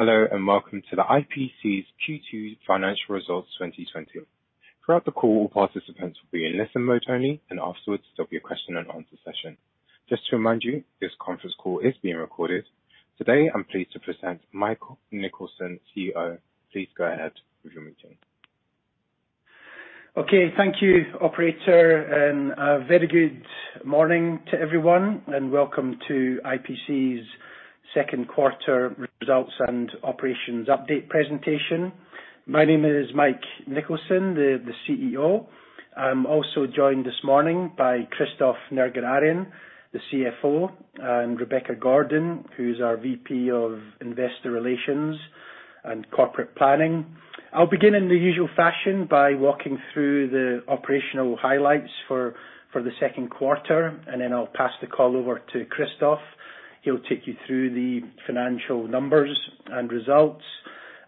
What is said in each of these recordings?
Hello and welcome to the IPC's Q2 financial results 2020. Throughout the call, all participants will be in listen mode only, and afterwards there'll be a question and answer session. Just to remind you, this conference call is being recorded. Today, I'm pleased to present Michael Nicholson, CEO. Please go ahead with your meeting. Okay, thank you, Operator, and a very good morning to everyone, and welcome to IPC's second quarter results and operations update presentation. My name is Mike Nicholson, the CEO. I'm also joined this morning by Christophe Nerguararian, the CFO, and Rebecca Gordon, who's our VP of Investor Relations and Corporate Planning. I'll begin in the usual fashion by walking through the operational highlights for the second quarter, and then I'll pass the call over to Christophe. He'll take you through the financial numbers and results.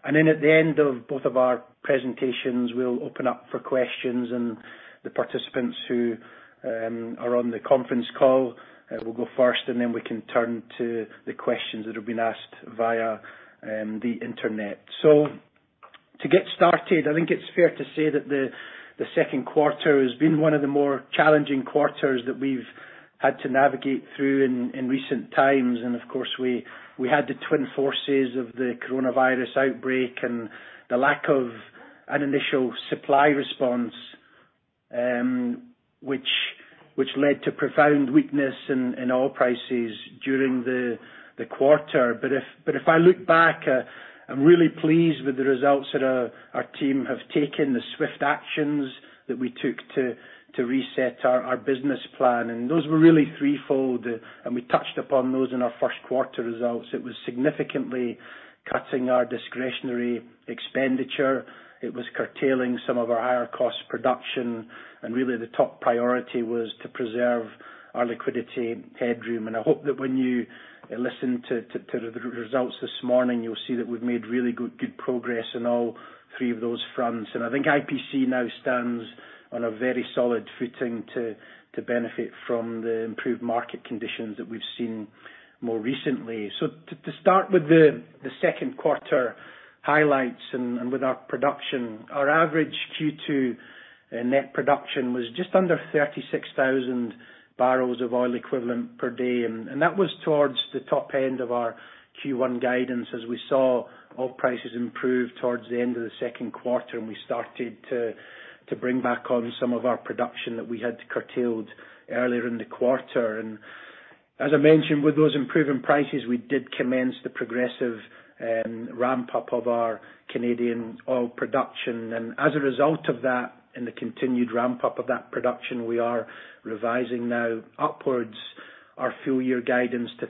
And then at the end of both of our presentations, we'll open up for questions, and the participants who are on the conference call will go first, and then we can turn to the questions that have been asked via the Internet. So to get started, I think it's fair to say that the second quarter has been one of the more challenging quarters that we've had to navigate through in recent times. And of course, we had the twin forces of the coronavirus outbreak and the lack of an initial supply response, which led to profound weakness in oil prices during the quarter. But if I look back, I'm really pleased with the results that our team have taken, the swift actions that we took to reset our business plan. And those were really threefold, and we touched upon those in our first quarter results. It was significantly cutting our discretionary expenditure. It was curtailing some of our higher cost production. And really, the top priority was to preserve our liquidity headroom. And I hope that when you listen to the results this morning, you'll see that we've made really good progress in all three of those fronts. And I think IPC now stands on a very solid footing to benefit from the improved market conditions that we've seen more recently. So to start with the second quarter highlights and with our production, our average Q2 net production was just under 36,000 barrels of oil equivalent per day. And that was towards the top end of our Q1 guidance as we saw oil prices improve towards the end of the second quarter, and we started to bring back on some of our production that we had curtailed earlier in the quarter. And as I mentioned, with those improving prices, we did commence the progressive ramp-up of our Canadian oil production. As a result of that, in the continued ramp-up of that production, we are revising now upwards our fiscal year guidance to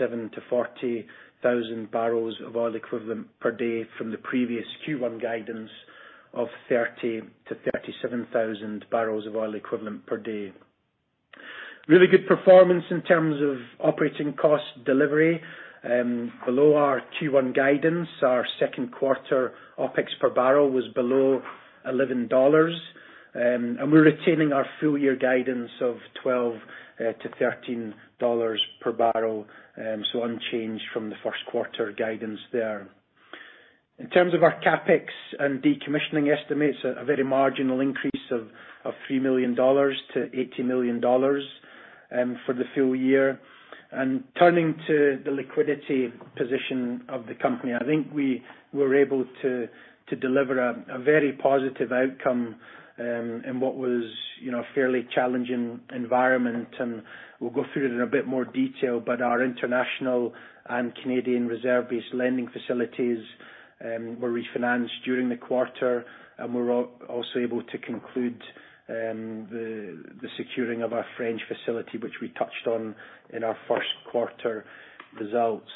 37,000-40,000 barrels of oil equivalent per day from the previous Q1 guidance of 30,000-37,000 barrels of oil equivalent per day. Really good performance in terms of operating cost delivery. Below our Q1 guidance, our second quarter OpEx per barrel was below $11. We're retaining our fiscal year guidance of $12-$13 per barrel, so unchanged from the first quarter guidance there. In terms of our CapEx and decommissioning estimates, a very marginal increase of $3 million-$80 million for the fiscal year. Turning to the liquidity position of the company, I think we were able to deliver a very positive outcome in what was a fairly challenging environment. We'll go through it in a bit more detail, but our international and Canadian reserve-based lending facilities were refinanced during the quarter, and we were also able to conclude the securing of our French facility, which we touched on in our first quarter results.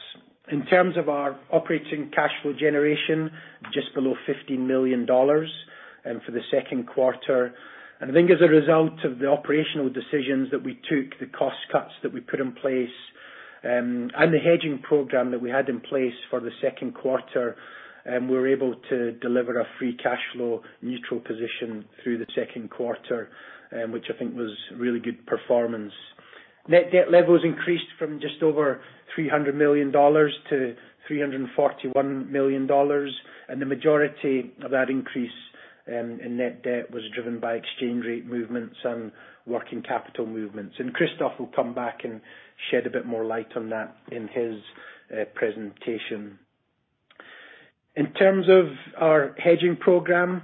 In terms of our operating cash flow generation, just below $15 million for the second quarter. I think as a result of the operational decisions that we took, the cost cuts that we put in place, and the hedging program that we had in place for the second quarter, we were able to deliver a free cash flow neutral position through the second quarter, which I think was really good performance. Net debt levels increased from just over $300 million-$341 million, and the majority of that increase in net debt was driven by exchange rate movements and working capital movements. Christophe will come back and shed a bit more light on that in his presentation. In terms of our hedging program,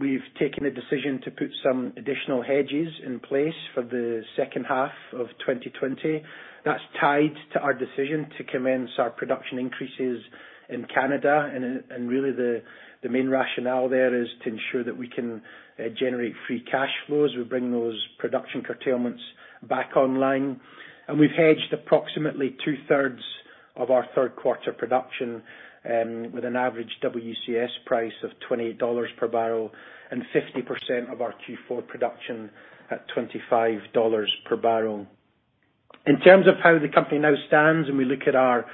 we've taken a decision to put some additional hedges in place for the second half of 2020. That's tied to our decision to commence our production increases in Canada. Really, the main rationale there is to ensure that we can generate free cash flows. We bring those production curtailments back online. We've hedged approximately two-thirds of our third quarter production with an average WCS price of $28 per barrel and 50% of our Q4 production at $25 per barrel. In terms of how the company now stands, and we look at our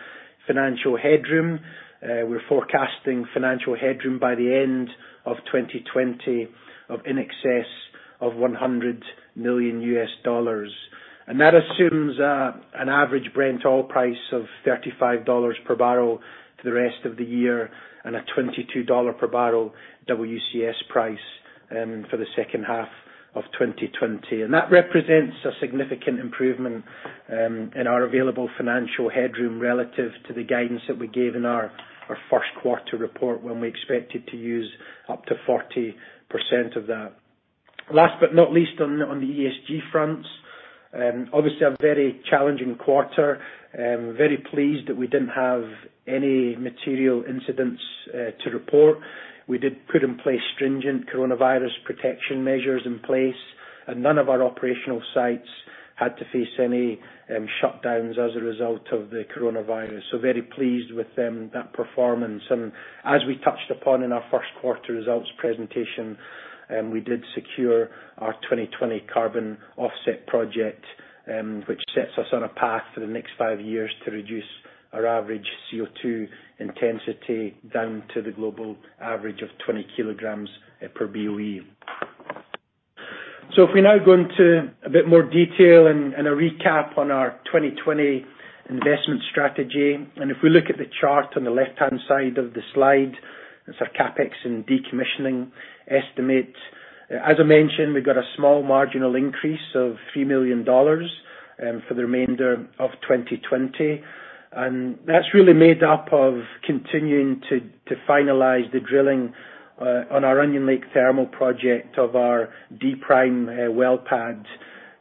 financial headroom, we're forecasting financial headroom by the end of 2020 of in excess of $100 million. And that assumes an average Brent oil price of $35 per barrel for the rest of the year and a $22 per barrel WCS price for the second half of 2020. And that represents a significant improvement in our available financial headroom relative to the guidance that we gave in our first quarter report when we expected to use up to 40% of that. Last but not least, on the ESG fronts, obviously a very challenging quarter. Very pleased that we didn't have any material incidents to report. We did put in place stringent coronavirus protection measures, and none of our operational sites had to face any shutdowns as a result of the coronavirus. So very pleased with that performance. As we touched upon in our first quarter results presentation, we did secure our 2020 carbon offset project, which sets us on a path for the next five years to reduce our average CO2 intensity down to the global average of 20 kilograms per BOE. If we now go into a bit more detail and a recap on our 2020 investment strategy, and if we look at the chart on the left-hand side of the slide, it's our CapEx and decommissioning estimates. As I mentioned, we've got a small marginal increase of $3 million for the remainder of 2020. That's really made up of continuing to finalize the drilling on our Onion Lake thermal project of our D-Prime well pad.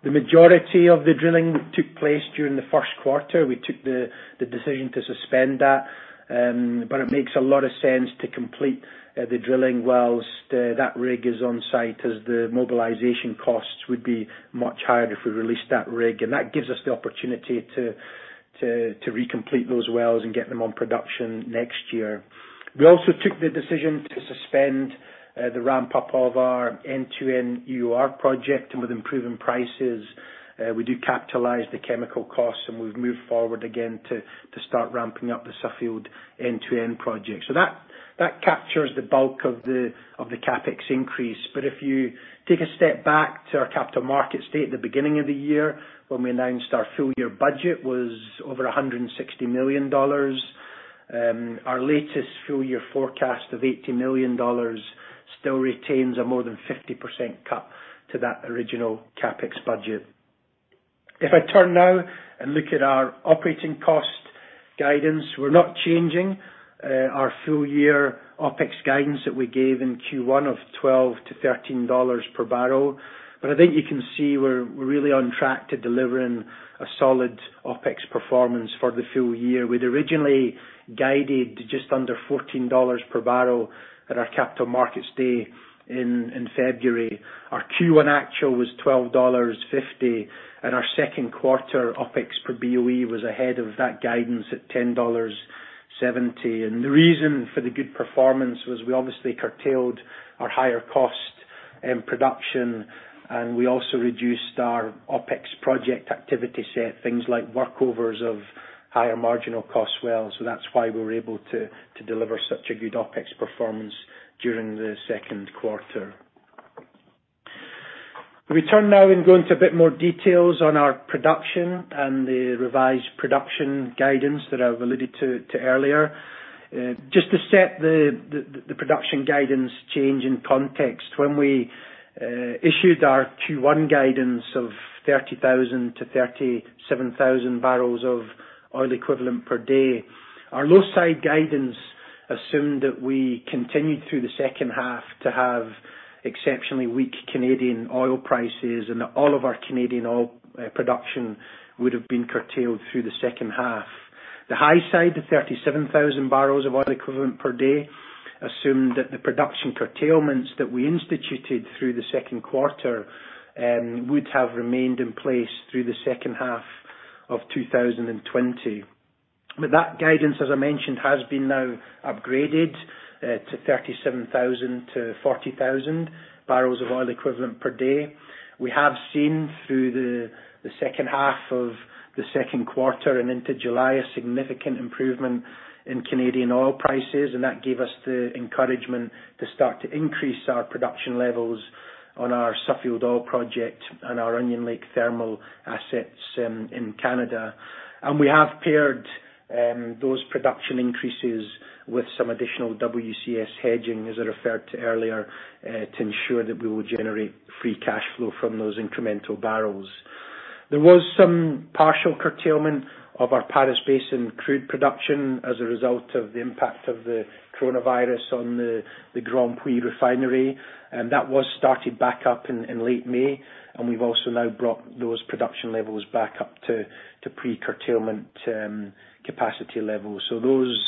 The majority of the drilling took place during the first quarter. We took the decision to suspend that, but it makes a lot of sense to complete the drilling while that rig is on site as the mobilization costs would be much higher if we released that rig, and that gives us the opportunity to recomplete those wells and get them on production next year. We also took the decision to suspend the ramp-up of our N2 EOR project, and with improving prices, we do capitalize the chemical costs, and we've moved forward again to start ramping up the Suffield N2 project, so that captures the bulk of the CapEx increase, but if you take a step back to our Capital Markets Day at the beginning of the year, when we announced our full year budget was over $160 million, our latest full year forecast of $80 million still retains a more than 50% cut to that original CapEx budget. If I turn now and look at our operating cost guidance, we're not changing our full year OpEx guidance that we gave in Q1 of $12-$13 per barrel. But I think you can see we're really on track to delivering a solid OpEx performance for the full year. We'd originally guided just under $14 per barrel at our Capital Markets Day in February. Our Q1 actual was $12.50, and our second quarter OpEx per BOE was ahead of that guidance at $10.70. And the reason for the good performance was we obviously curtailed our higher cost production, and we also reduced our OpEx project activity set, things like workovers of higher marginal cost wells. So that's why we were able to deliver such a good OpEx performance during the second quarter. We turn now and go into a bit more details on our production and the revised production guidance that I've alluded to earlier. Just to set the production guidance change in context, when we issued our Q1 guidance of 30,000-37,000 barrels of oil equivalent per day, our low-side guidance assumed that we continued through the second half to have exceptionally weak Canadian oil prices and that all of our Canadian oil production would have been curtailed through the second half. The high side, the 37,000 barrels of oil equivalent per day, assumed that the production curtailments that we instituted through the second quarter would have remained in place through the second half of 2020. But that guidance, as I mentioned, has been now upgraded to 37,000-40,000 barrels of oil equivalent per day. We have seen through the second half of the second quarter and into July a significant improvement in Canadian oil prices, and that gave us the encouragement to start to increase our production levels on our Suffield oil project and our Onion Lake thermal assets in Canada, and we have paired those production increases with some additional WCS hedging, as I referred to earlier, to ensure that we will generate free cash flow from those incremental barrels. There was some partial curtailment of our Paris Basin crude production as a result of the impact of the coronavirus on the Grandpuits refinery, and that was started back up in late May, and we've also now brought those production levels back up to pre-curtailment capacity levels, so those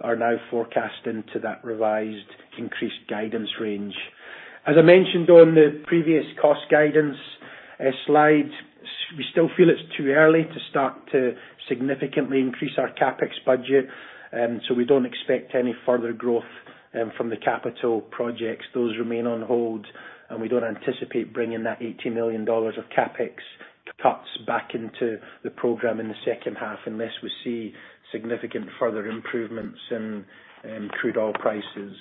are now forecast into that revised increased guidance range. As I mentioned on the previous cost guidance slide, we still feel it's too early to start to significantly increase our CapEx budget, so we don't expect any further growth from the capital projects. Those remain on hold, and we don't anticipate bringing that $18 million of CapEx cuts back into the program in the second half unless we see significant further improvements in crude oil prices.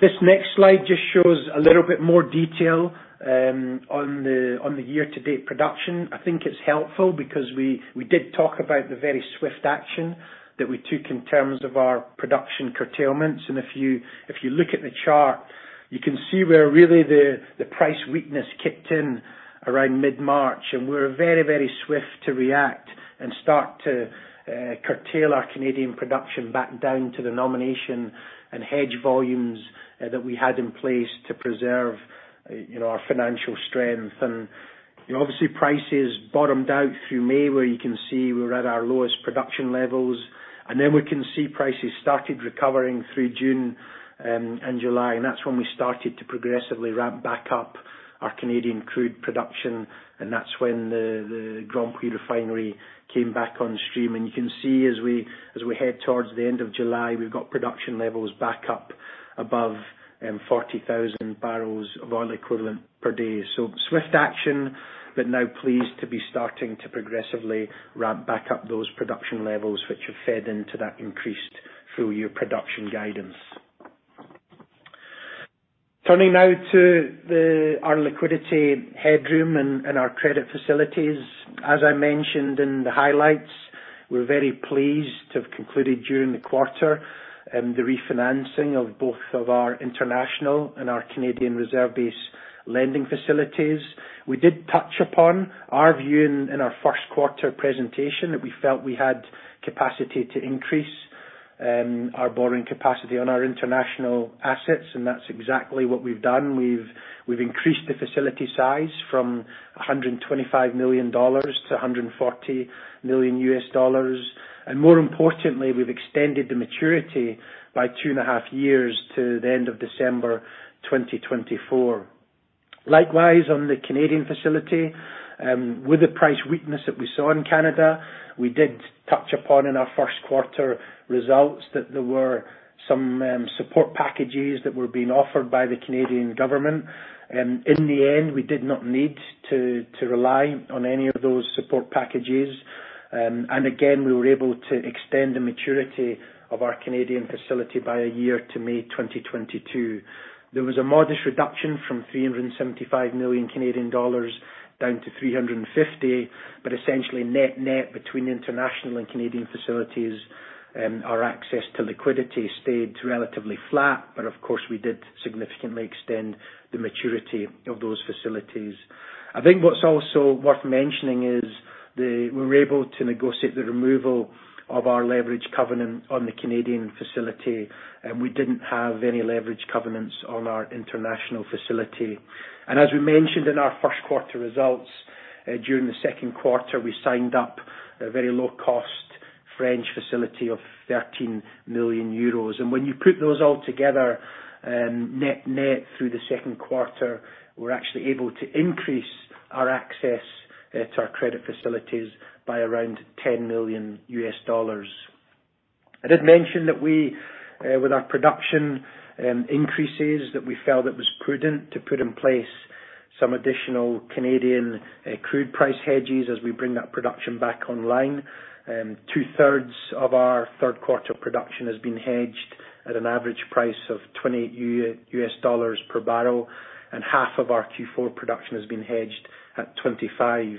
This next slide just shows a little bit more detail on the year-to-date production. I think it's helpful because we did talk about the very swift action that we took in terms of our production curtailments. If you look at the chart, you can see where really the price weakness kicked in around mid-March, and we were very, very swift to react and start to curtail our Canadian production back down to the nomination and hedge volumes that we had in place to preserve our financial strength. And obviously, prices bottomed out through May, where you can see we were at our lowest production levels. And then we can see prices started recovering through June and July, and that's when we started to progressively ramp back up our Canadian crude production, and that's when the Grandpuits refinery came back on stream. And you can see as we head towards the end of July, we've got production levels back up above 40,000 barrels of oil equivalent per day. Swift action, but now pleased to be starting to progressively ramp back up those production levels, which have fed into that increased full year production guidance. Turning now to our liquidity headroom and our credit facilities. As I mentioned in the highlights, we're very pleased to have concluded during the quarter the refinancing of both of our international and our Canadian reserve-based lending facilities. We did touch upon our view in our first quarter presentation that we felt we had capacity to increase our borrowing capacity on our international assets, and that's exactly what we've done. We've increased the facility size from $125 million-$140 million U.S. dollars, and more importantly, we've extended the maturity by two and a half years to the end of December 2024. Likewise, on the Canadian facility, with the price weakness that we saw in Canada, we did touch upon in our first quarter results that there were some support packages that were being offered by the Canadian government. In the end, we did not need to rely on any of those support packages. And again, we were able to extend the maturity of our Canadian facility by a year to May 2022. There was a modest reduction from 375 million Canadian dollars down to 350 million, but essentially net-net between international and Canadian facilities, our access to liquidity stayed relatively flat. But of course, we did significantly extend the maturity of those facilities. I think what's also worth mentioning is we were able to negotiate the removal of our leverage covenant on the Canadian facility, and we didn't have any leverage covenants on our international facility. And as we mentioned in our first quarter results, during the second quarter, we signed up a very low-cost French facility of 13 million euros. And when you put those all together net-net through the second quarter, we're actually able to increase our access to our credit facilities by around $10 million. I did mention that we, with our production increases, felt it was prudent to put in place some additional Canadian crude price hedges as we bring that production back online. Two-thirds of our third quarter production has been hedged at an average price of $28 per barrel, and half of our Q4 production has been hedged at $25 per barrel.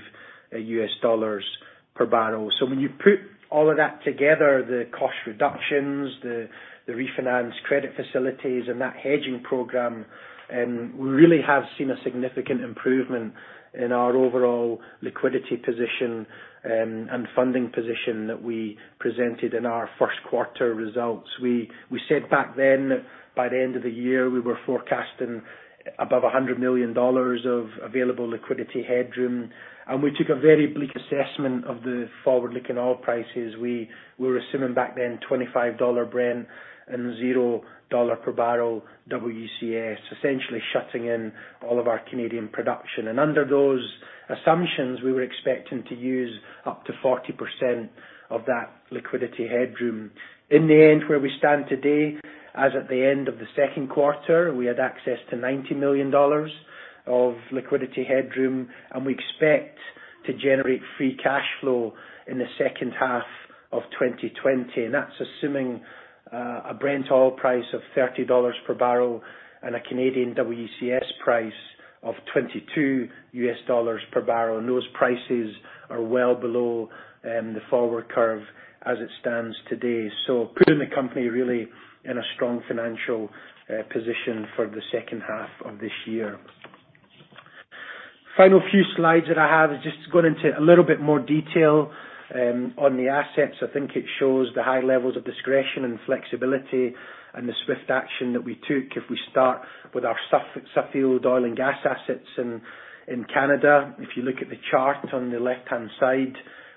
When you put all of that together, the cost reductions, the refinanced credit facilities, and that hedging program, we really have seen a significant improvement in our overall liquidity position and funding position that we presented in our first quarter results. We said back then that by the end of the year, we were forecasting above $100 million of available liquidity headroom. We took a very bleak assessment of the forward-looking oil prices. We were assuming back then $25 Brent and $0 per barrel WCS, essentially shutting in all of our Canadian production. Under those assumptions, we were expecting to use up to 40% of that liquidity headroom. In the end, where we stand today, as at the end of the second quarter, we had access to $90 million of liquidity headroom, and we expect to generate free cash flow in the second half of 2020. And that's assuming a Brent oil price of $30 per barrel and a Canadian WCS price of $22 per barrel. And those prices are well below the forward curve as it stands today. So putting the company really in a strong financial position for the second half of this year. Final few slides that I have is just going into a little bit more detail on the assets. I think it shows the high levels of discretion and flexibility and the swift action that we took if we start with our Suffield oil and gas assets in Canada. If you look at the chart on the left-hand side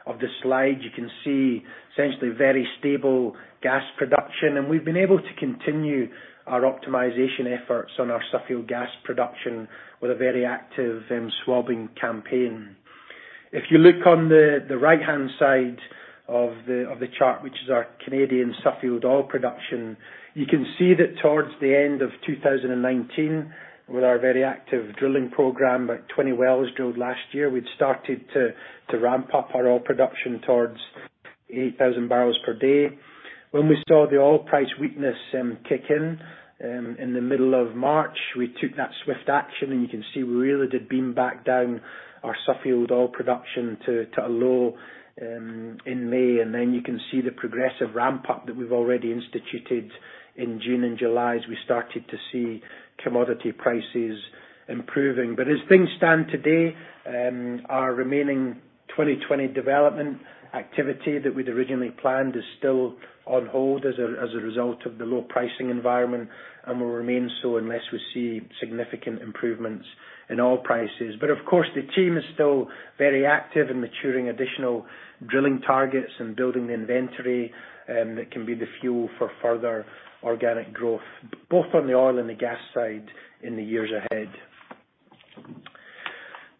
of the slide, you can see essentially very stable gas production. And we've been able to continue our optimization efforts on our Suffield gas production with a very active swabbing campaign. If you look on the right-hand side of the chart, which is our Canadian Suffield oil production, you can see that towards the end of 2019, with our very active drilling program, about 20 wells drilled last year, we'd started to ramp up our oil production towards 8,000 barrels per day. When we saw the oil price weakness kick in in the middle of March, we took that swift action, and you can see we really did bring back down our Suffield oil production to a low in May, and then you can see the progressive ramp-up that we've already instituted in June and July as we started to see commodity prices improving. But as things stand today, our remaining 2020 development activity that we'd originally planned is still on hold as a result of the low pricing environment, and will remain so unless we see significant improvements in oil prices. But of course, the team is still very active in maturing additional drilling targets and building the inventory that can be the fuel for further organic growth, both on the oil and the gas side in the years ahead.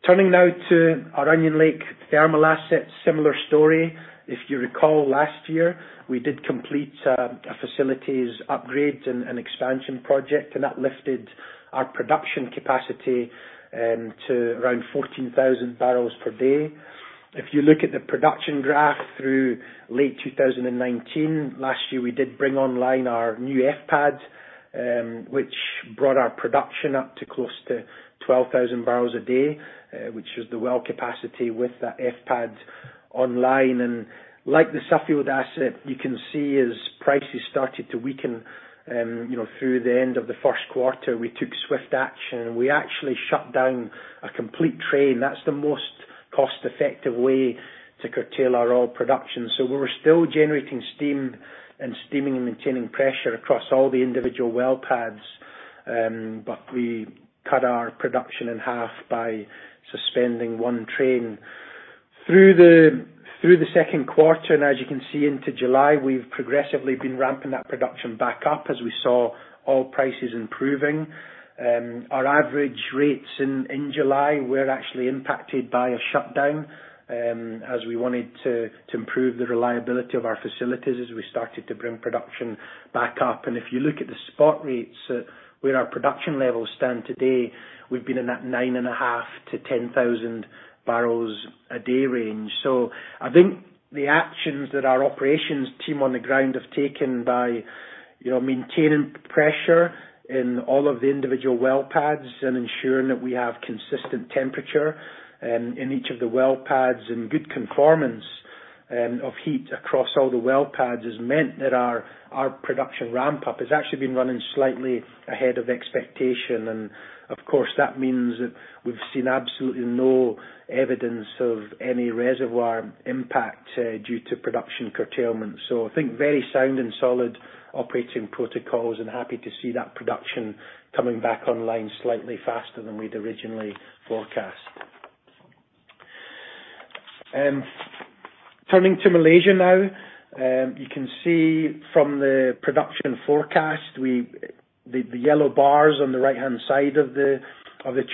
Turning now to our Onion Lake thermal assets, similar story. If you recall, last year, we did complete a facilities upgrade and expansion project, and that lifted our production capacity to around 14,000 barrels per day. If you look at the production graph through late 2019, last year, we did bring online our new F-Pad, which brought our production up to close to 12,000 barrels a day, which was the well capacity with that F-Pad online, and like the Suffield asset, you can see as prices started to weaken through the end of the first quarter, we took swift action. We actually shut down a complete train. That's the most cost-effective way to curtail our oil production, so we were still generating steam and steaming and maintaining pressure across all the individual well pads, but we cut our production in half by suspending one train. Through the second quarter, and as you can see into July, we've progressively been ramping that production back up as we saw oil prices improving. Our average rates in July were actually impacted by a shutdown as we wanted to improve the reliability of our facilities as we started to bring production back up. And if you look at the spot rates where our production levels stand today, we've been in that 9,500-10,000 barrels a day range. So I think the actions that our operations team on the ground have taken by maintaining pressure in all of the individual well pads and ensuring that we have consistent temperature in each of the well pads and good conformance of heat across all the well pads has meant that our production ramp-up has actually been running slightly ahead of expectation. And of course, that means that we've seen absolutely no evidence of any reservoir impact due to production curtailment. So, I think very sound and solid operating protocols, and happy to see that production coming back online slightly faster than we'd originally forecast. Turning to Malaysia now, you can see from the production forecast. The yellow bars on the right-hand side of the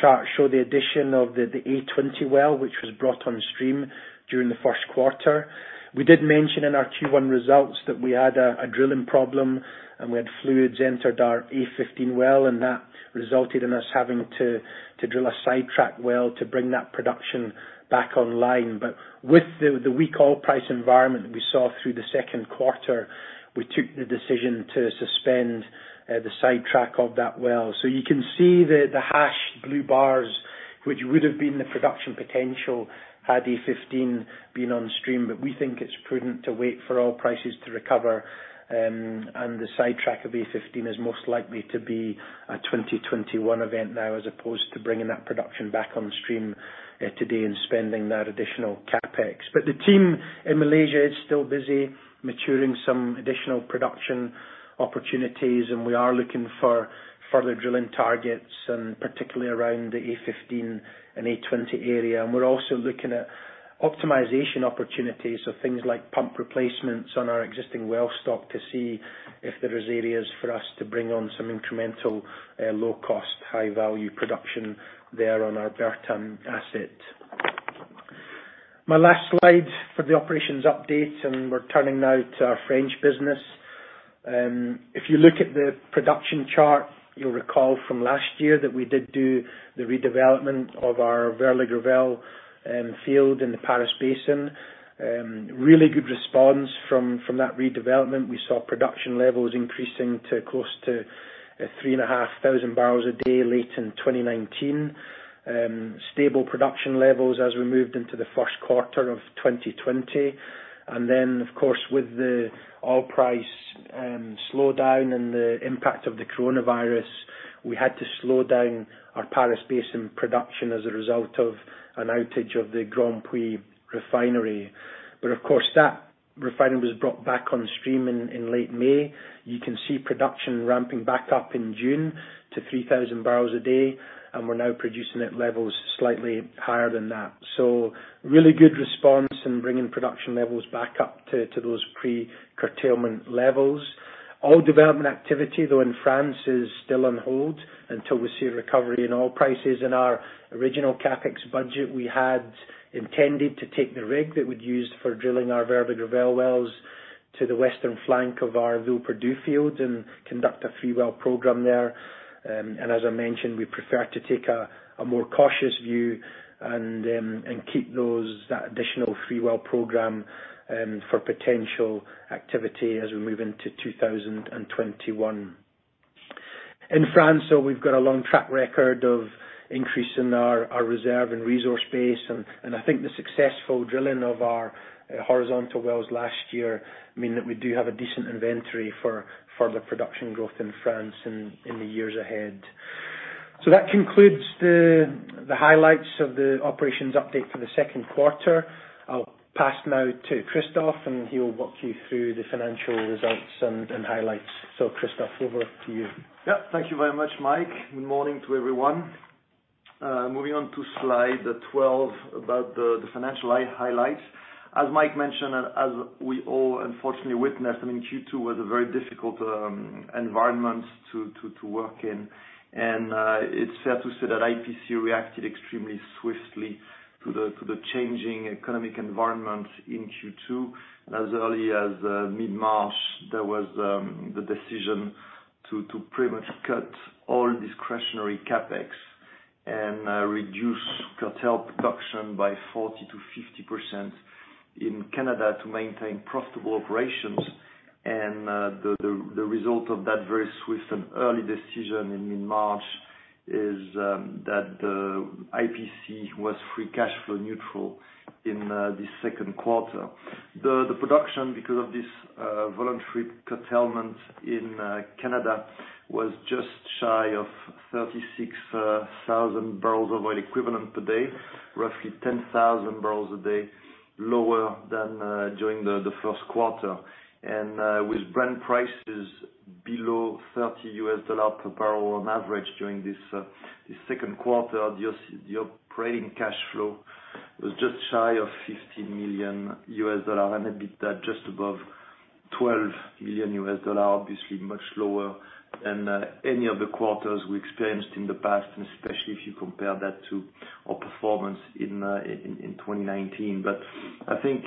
chart show the addition of the A20 well, which was brought on stream during the first quarter. We did mention in our Q1 results that we had a drilling problem and we had fluids entered our A15 well, and that resulted in us having to drill a sidetrack well to bring that production back online. But with the weak oil price environment we saw through the second quarter, we took the decision to suspend the sidetrack of that well. So, you can see the hatched blue bars, which would have been the production potential, had A15 been on stream. But we think it's prudent to wait for oil prices to recover, and the sidetrack of A15 is most likely to be a 2021 event now as opposed to bringing that production back on stream today and spending that additional CapEx. But the team in Malaysia is still busy maturing some additional production opportunities, and we are looking for further drilling targets, particularly around the A15 and A20 area. And we're also looking at optimization opportunities of things like pump replacements on our existing well stock to see if there are areas for us to bring on some incremental low-cost, high-value production there on our Bertam asset. My last slide for the operations update, and we're turning now to our French business. If you look at the production chart, you'll recall from last year that we did do the redevelopment of our Vert La Gravelle field in the Paris Basin. Really good response from that redevelopment. We saw production levels increasing to close to 3,500 barrels a day late in 2019, stable production levels as we moved into the first quarter of 2020, and then, of course, with the oil price slowdown and the impact of the coronavirus, we had to slow down our Paris Basin production as a result of an outage of the Grandpuits refinery, but of course, that refinery was brought back on stream in late May. You can see production ramping back up in June to 3,000 barrels a day, and we're now producing at levels slightly higher than that, so really good response in bringing production levels back up to those pre-curtailment levels. Oil development activity, though, in France is still on hold until we see a recovery in oil prices. In our original CapEx budget, we had intended to take the rig that we'd used for drilling our Vert La Gravelle wells to the western flank of our Villeperdue fields and conduct an infill well program there, and as I mentioned, we prefer to take a more cautious view and keep that additional infill well program for potential activity as we move into 2021. In France, though, we've got a long track record of increasing our reserve and resource base. And I think the successful drilling of our horizontal wells last year means that we do have a decent inventory for further production growth in France in the years ahead, so that concludes the highlights of the operations update for the second quarter. I'll pass now to Christophe, and he'll walk you through the financial results and highlights, so Christophe, over to you. Yeah. Thank you very much, Mike. Good morning to everyone. Moving on to slide 12 about the financial highlights. As Mike mentioned, as we all unfortunately witnessed, I mean, Q2 was a very difficult environment to work in. It's fair to say that IPC reacted extremely swiftly to the changing economic environment in Q2. As early as mid-March, there was the decision to pretty much cut all discretionary CapEx and reduce curtail production by 40%-50% in Canada to maintain profitable operations. The result of that very swift and early decision in mid-March is that IPC was free cash flow neutral in the second quarter. The production, because of this voluntary curtailment in Canada, was just shy of 36,000 barrels of oil equivalent per day, roughly 10,000 barrels a day, lower than during the first quarter. With Brent prices below $30 per barrel on average during this second quarter, the operating cash flow was just shy of $15 million and had beat that just above $12 million, obviously much lower than any other quarters we experienced in the past, and especially if you compare that to our performance in 2019. But I think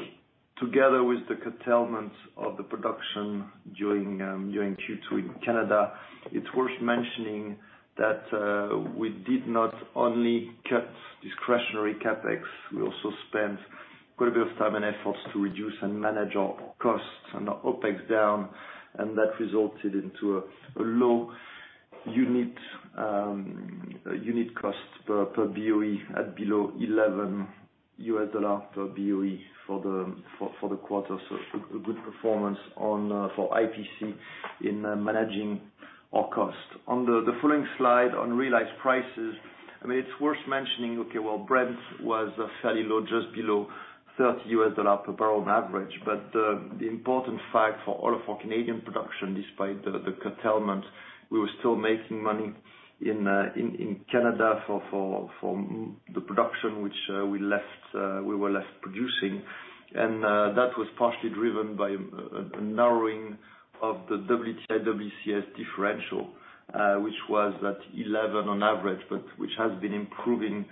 together with the curtailment of the production during Q2 in Canada, it's worth mentioning that we did not only cut discretionary CapEx. We also spent quite a bit of time and efforts to reduce and manage our costs and our OpEx down, and that resulted in a low unit cost per BOE at below $11 per BOE for the quarter. A good performance for IPC in managing our cost. On the following slide on realized prices, I mean, it's worth mentioning, okay, well, Brent was fairly low, just below $30 per barrel on average. But the important fact for all of our Canadian production, despite the curtailment, we were still making money in Canada for the production which we were left producing. And that was partially driven by a narrowing of the WTI/WCS differential, which was at $11 on average, but which has been improving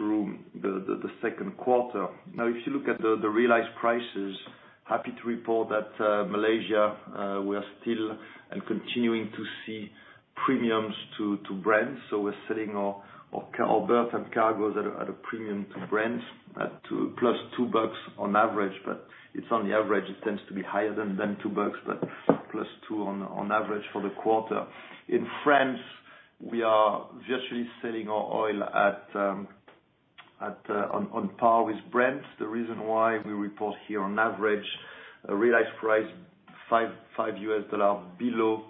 through the second quarter. Now, if you look at the realized prices, happy to report that Malaysia were still and continuing to see premiums to Brent. So we're selling our Bertam cargoes at a premium to Brent, at plus $2 on average. But it's on the average. It tends to be higher than $2, but plus $2 on average for the quarter. In France, we are virtually selling our oil on par with Brent. The reason why we report here on average realized price $5 below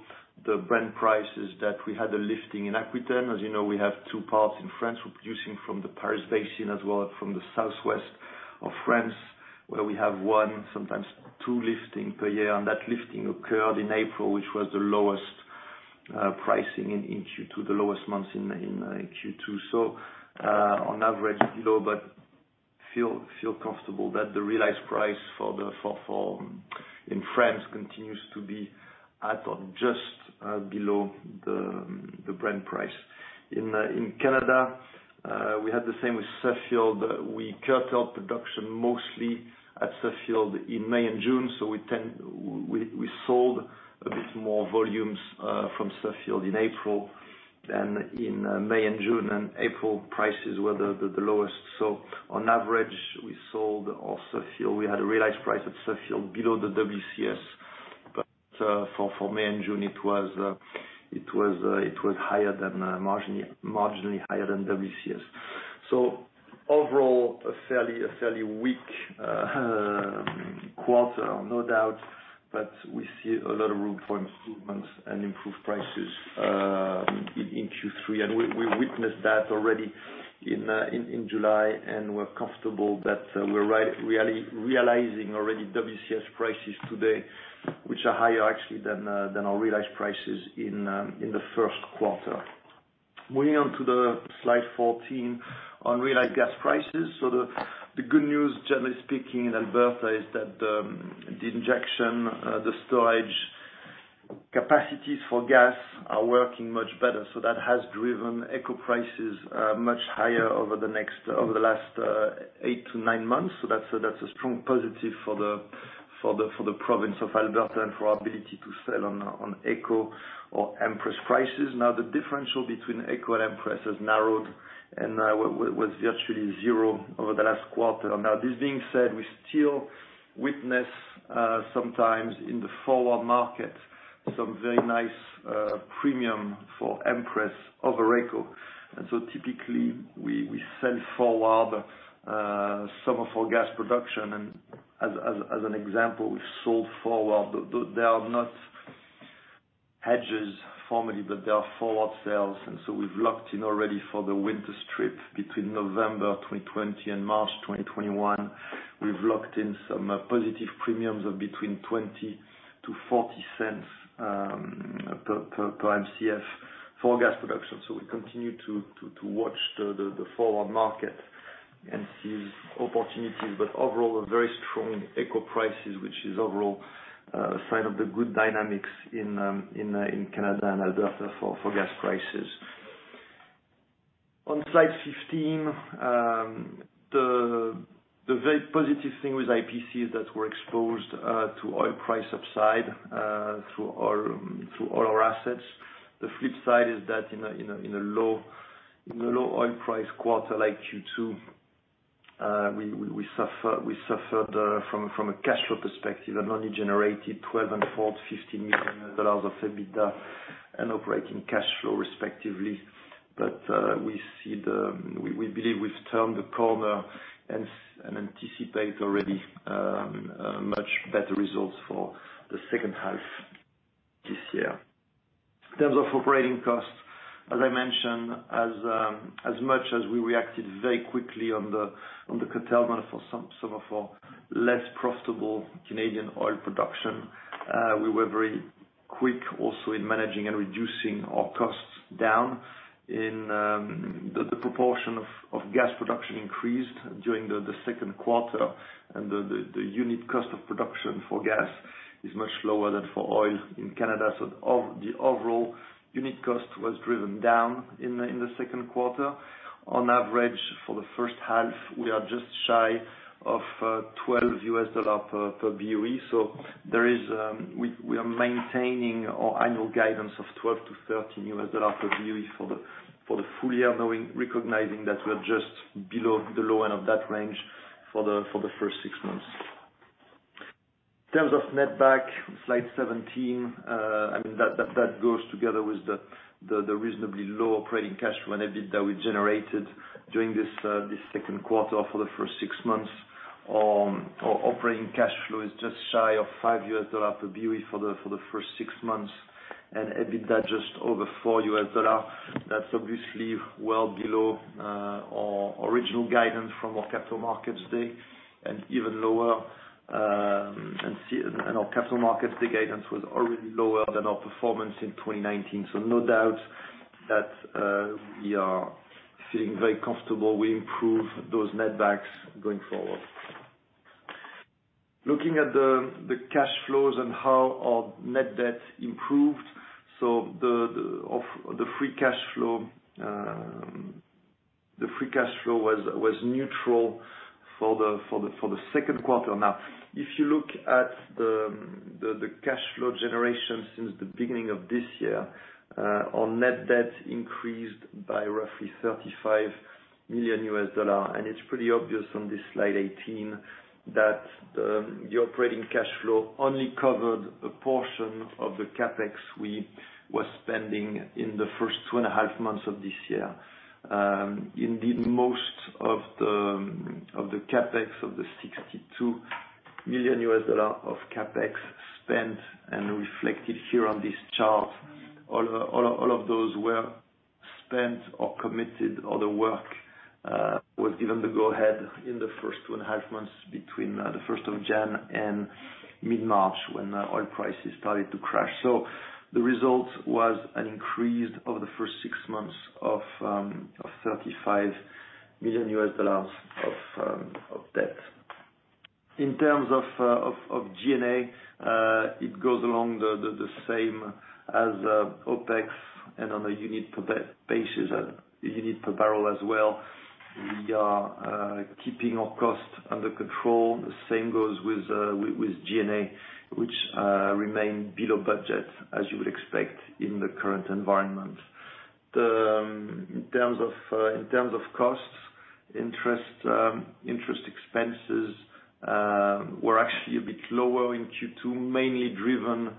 the Brent price is that we had a lifting in Aquitaine. As you know, we have two parts in France. We're producing from the Paris Basin as well as from the southwest of France, where we have one, sometimes two liftings per year. That lifting occurred in April, which was the lowest pricing in Q2, the lowest month in Q2. So on average, below, but feel comfortable that the realized price in France continues to be at or just below the Brent price. In Canada, we had the same with Suffield. We curtailed production mostly at Suffield in May and June. So we sold a bit more volumes from Suffield in April than in May and June. April prices were the lowest. So on average, we sold our Suffield. We had a realized price at Suffield below the WCS, but for May and June, it was marginally higher than WCS. So overall, a fairly weak quarter, no doubt, but we see a lot of room for improvements and improved prices in Q3. And we witnessed that already in July, and we're comfortable that we're realizing already WCS prices today, which are higher actually than our realized prices in the first quarter. Moving on to Slide 14 on realized gas prices. So the good news, generally speaking, in Alberta, is that the injection, the storage capacities for gas are working much better. So that has driven AECO prices much higher over the last eight to nine months. So that's a strong positive for the province of Alberta and for our ability to sell on AECO or Empress prices. Now, the differential between AECO and Empress has narrowed and was virtually zero over the last quarter. Now, this being said, we still witness sometimes in the forward market some very nice premium for Empress over AECO. And so typically, we sell forward some of our gas production. And as an example, we've sold forward. They are not hedges formally, but they are forward sales. And so we've locked in already for the winter strip between November 2020 and March 2021. We've locked in some positive premiums of between 20 to 40 cents per Mcf for gas production. So we continue to watch the forward market and see opportunities. But overall, a very strong AECO prices, which is overall a sign of the good dynamics in Canada and Alberta for gas prices. On slide 15, the very positive thing with IPC is that we're exposed to oil price upside through all our assets. The flip side is that in a low oil price quarter like Q2, we suffered from a cash flow perspective and only generated $12 million and $4 million-$15 million of EBITDA and operating cash flow, respectively. But we believe we've turned the corner and anticipate already much better results for the second half this year. In terms of operating costs, as I mentioned, as much as we reacted very quickly on the curtailment for some of our less profitable Canadian oil production, we were very quick also in managing and reducing our costs down. The proportion of gas production increased during the second quarter, and the unit cost of production for gas is much lower than for oil in Canada. The overall unit cost was driven down in the second quarter. On average, for the first half, we are just shy of $12 per BOE. We are maintaining our annual guidance of $12-$13 per BOE for the full year, recognizing that we're just below the low end of that range for the first six months. In terms of netback, slide 17, I mean, that goes together with the reasonably low operating cash flow and EBITDA we generated during this second quarter for the first six months. Our operating cash flow is just shy of $5 per BOE for the first six months, and EBITDA just over $4. That's obviously well below our original guidance from our Capital Markets Day and even lower. Our Capital Markets Day guidance was already lower th an our performance in 2019. No doubt that we are feeling very comfortable. We improve those netbacks going forward. Looking at the cash flows and how our net debt improved, so the free cash flow was neutral for the second quarter. Now, if you look at the cash flow generation since the beginning of this year, our net debt increased by roughly $35 million. It's pretty obvious on this slide 18 that the operating cash flow only covered a portion of the CapEx we were spending in the first two and a half months of this year. Indeed, most of the CapEx, of the $62 million of CapEx spent and reflected here on this chart, all of those were spent or committed or the work was given the go-ahead in the first two and a half months between the 1st of January and mid-March when oil prices started to crash. So the result was an increase over the first six months of $35 million of debt. In terms of G&A, it goes along the same as OpEx and on a unit per barrel as well. We are keeping our costs under control. The same goes with G&A, which remained below budget, as you would expect in the current environment. In terms of costs, interest expenses were actually a bit lower in Q2, mainly driven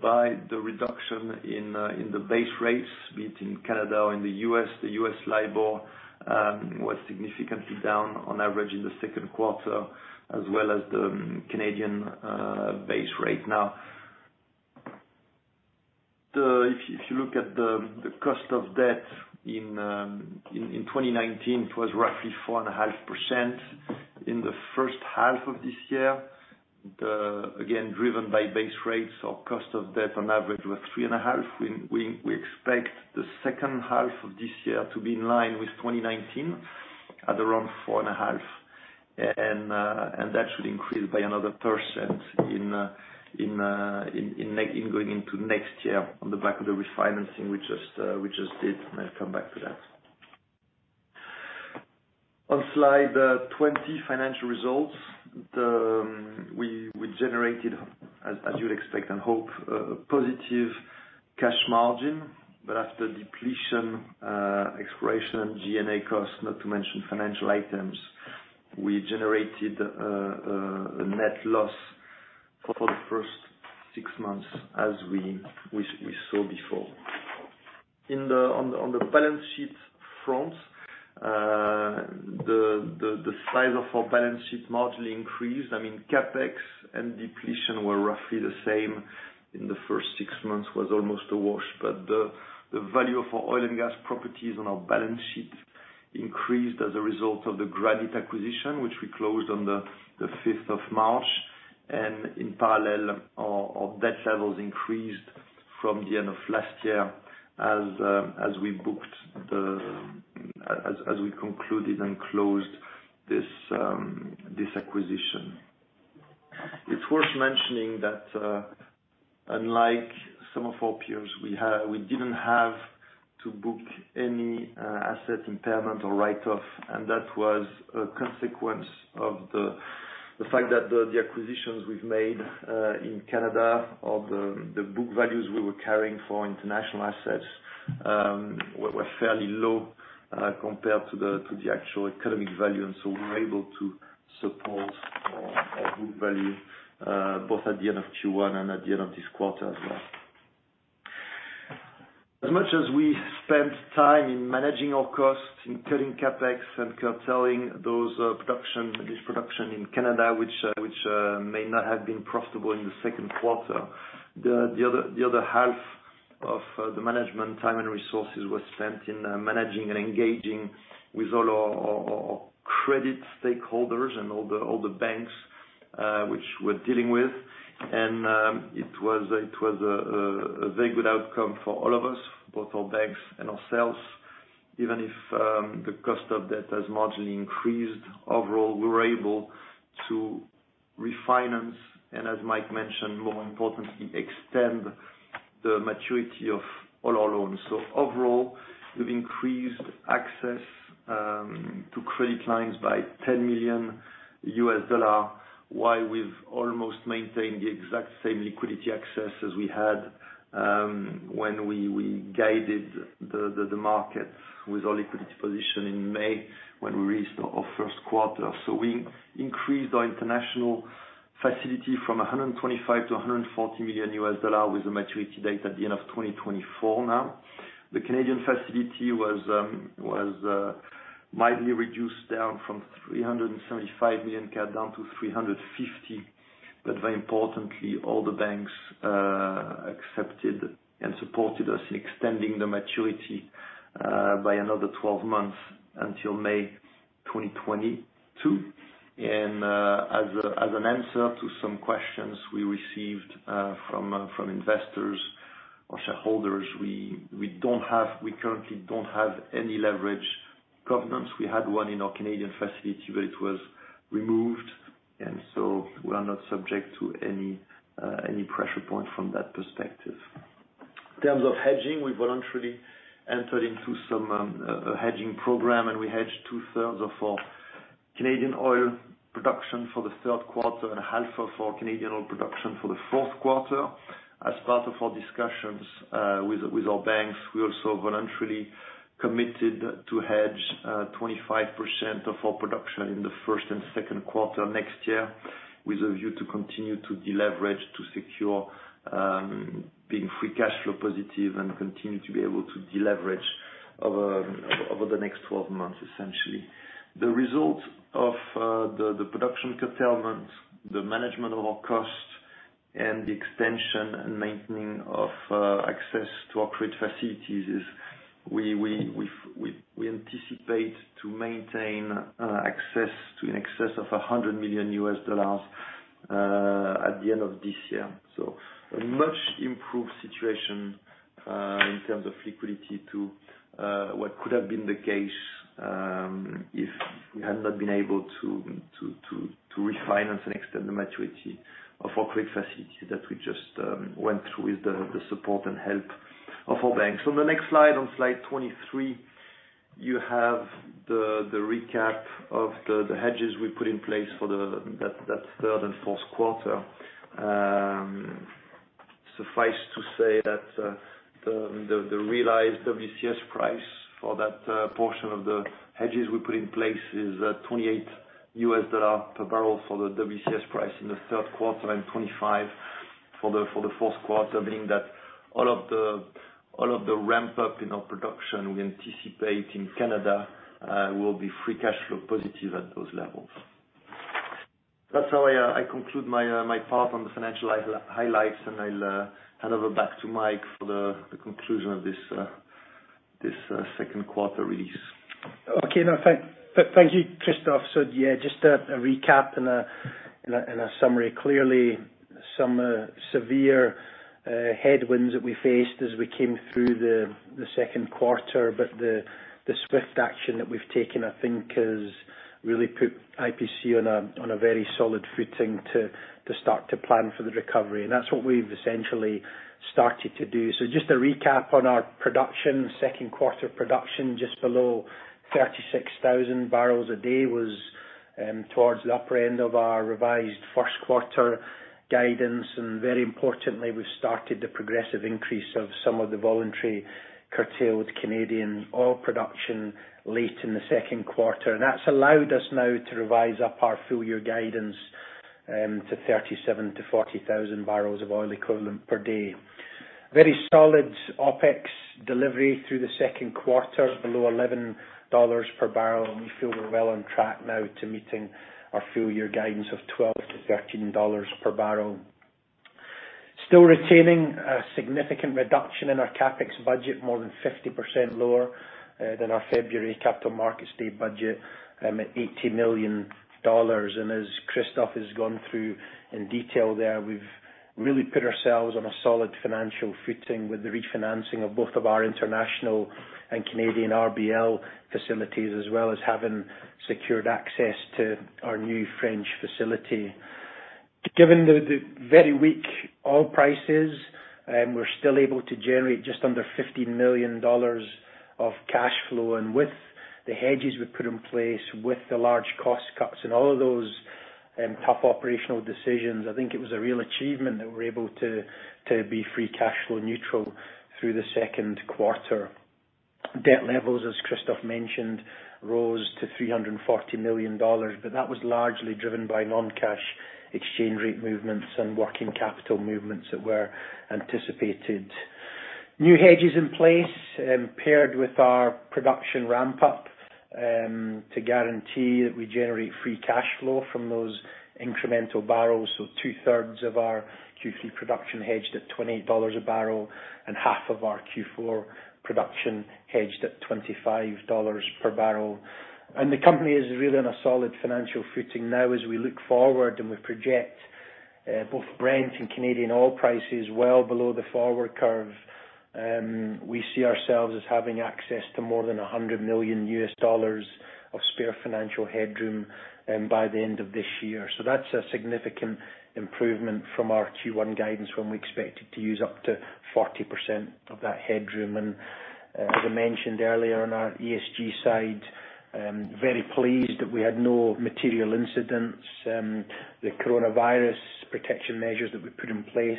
by the reduction in the base rates, be it in Canada or in the U.S. The U.S. LIBOR was significantly down on average in the second quarter, as well as the Canadian base rate. Now, if you look at the cost of debt in 2019, it was roughly 4.5% in the first half of this year, again, driven by base rates. Our cost of debt on average was 3.5%. We expect the second half of this year to be in line with 2019 at around 4.5%, and that should increase by another 1% in going into next year on the back of the refinancing we just did. I'll come back to that. On slide 20, financial results. We generated, as you would expect and hope, a positive cash margin, but after depletion, exploration, G&A costs, not to mention financial items, we generated a net loss for the first six months, as we saw before. On the balance sheet front, the size of our balance sheet marginally increased. I mean, CapEx and depletion were roughly the same in the first six months. It was almost a wash. But the value of our oil and gas properties on our balance sheet increased as a result of the Granite acquisition, which we closed on the 5th of March. And in parallel, our debt levels increased from the end of last year as we booked, as we concluded and closed this acquisition. It's worth mentioning that, unlike some of our peers, we didn't have to book any asset impairment or write-off. And that was a consequence of the fact that the acquisitions we've made in Canada, or the book values we were carrying for international assets, were fairly low compared to the actual economic value. And so we were able to support our book value both at the end of Q1 and at the end of this quarter as well. As much as we spent time in managing our costs, in cutting CapEx and curtailing this production in Canada, which may not have been profitable in the second quarter, the other half of the management time and resources was spent in managing and engaging with all our credit stakeholders and all the banks which we're dealing with. And it was a very good outcome for all of us, both our banks and ourselves. Even if the cost of debt has marginally increased, overall, we were able to refinance and, as Mike mentioned, more importantly, extend the maturity of all our loans. Overall, we've increased access to credit lines by $10 million, while we've almost maintained the exact same liquidity access as we had when we guided the markets with our liquidity position in May when we released our first quarter. We increased our international facility from $125 million-$140 million with a maturity date at the end of 2024 now. The Canadian facility was mildly reduced down from 375 million CAD down to 350 million. But very importantly, all the banks accepted and supported us in extending the maturity by another 12 months until May 2022. And as an answer to some questions we received from investors or shareholders, we currently don't have any leverage covenants. We had one in our Canadian facility, but it was removed. And so we are not subject to any pressure point from that perspective. In terms of hedging, we voluntarily entered into some hedging program, and we hedged two-thirds of our Canadian oil production for the third quarter and half of our Canadian oil production for the fourth quarter. As part of our discussions with our banks, we also voluntarily committed to hedge 25% of our production in the first and second quarter next year with a view to continue to deleverage to secure being free cash flow positive and continue to be able to deleverage over the next 12 months, essentially. The result of the production curtailment, the management of our costs, and the extension and maintaining of access to our credit facilities is we anticipate to maintain access to in excess of $100 million at the end of this year. So a much improved situation in terms of liquidity to what could have been the case if we had not been able to refinance and extend the maturity of our credit facilities that we just went through with the support and help of our banks. On the next slide, on Slide 23, you have the recap of the hedges we put in place for that third and fourth quarter. Suffice to say that the realized WCS price for that portion of the hedges we put in place is $28 per barrel for the WCS price in the third quarter and $25 for the fourth quarter, meaning that all of the ramp-up in our production we anticipate in Canada will be free cash flow positive at those levels. That's how I conclude my part on the financial highlights, and I'll hand over back to Mike for the conclusion of this second quarter release. Okay. No, thank you, Christophe. Yeah, just a recap and a summary. Clearly, some severe headwinds that we faced as we came through the second quarter, but the swift action that we've taken, I think, has really put IPC on a very solid footing to start to plan for the recovery. And that's what we've essentially started to do. Just a recap on our production, second quarter production, just below 36,000 barrels a day was towards the upper end of our revised first quarter guidance. And very importantly, we've started the progressive increase of some of the voluntary curtailed Canadian oil production late in the second quarter. And that's allowed us now to revise up our full year guidance to 37-40 thousand barrels of oil equivalent per day. Very solid OpEx delivery through the second quarter, below $11 per barrel. We feel we're well on track now to meeting our full year guidance of $12-$13 per barrel. Still retaining a significant reduction in our CapEx budget, more than 50% lower than our February Capital Markets Day budget at $80 million. And as Christophe has gone through in detail there, we've really put ourselves on a solid financial footing with the refinancing of both of our international and Canadian RBL facilities, as well as having secured access to our new French facility. Given the very weak oil prices, we're still able to generate just under $15 million of cash flow. And with the hedges we put in place, with the large cost cuts and all of those tough operational decisions, I think it was a real achievement that we're able to be free cash flow neutral through the second quarter. Debt levels, as Christophe mentioned, rose to $340 million, but that was largely driven by non-cash exchange rate movements and working capital movements that were anticipated. New hedges in place paired with our production ramp-up to guarantee that we generate free cash flow from those incremental barrels. So two-thirds of our Q3 production hedged at $28 a barrel and half of our Q4 production hedged at $25 per barrel. And the company is really on a solid financial footing now as we look forward and we project both Brent and Canadian oil prices well below the forward curve. We see ourselves as having access to more than $100 million of spare financial headroom by the end of this year, so that's a significant improvement from our Q1 guidance when we expected to use up to 40% of that headroom, and as I mentioned earlier on our ESG side, very pleased that we had no material incidents. The coronavirus protection measures that we put in place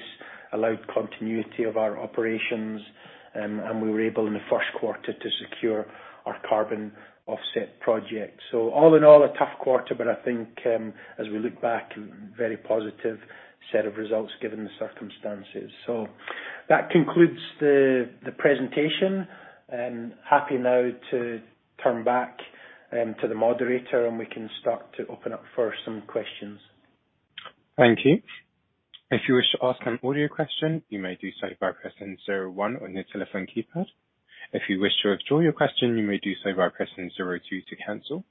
allowed continuity of our operations, and we were able in the first quarter to secure our carbon offset project, so all in all, a tough quarter, but I think as we look back, very positive set of results given the circumstances, so that concludes the presentation. Happy now to turn back to the moderator, and we can start to open up for some questions. Thank you. If you wish to ask an audio question, you may do so by pressing 01 on your telephone keypad. If you wish to withdraw your question, you may do so by pressing 02 to cancel.